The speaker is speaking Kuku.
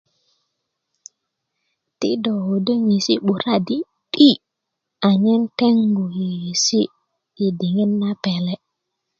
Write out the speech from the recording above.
ti do ködö nyesi 'bura' di 'di' anyen teŋgu yöyöŋesi i diŋit na pele